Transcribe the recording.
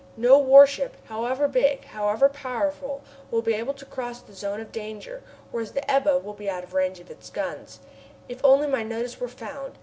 No warship, however big, however powerful, will be able to cross the zone of danger, whereas the Ebba will be out of range of its guns. If only my notice were found!